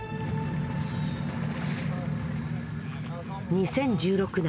２０１６年